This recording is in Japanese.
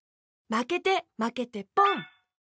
まけてまけてポン！